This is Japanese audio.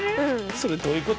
それどういうこと！？